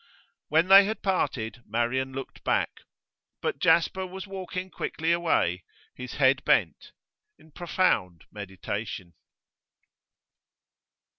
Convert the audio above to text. When they had parted, Marian looked back. But Jasper was walking quickly away, his head bent, in profound meditation.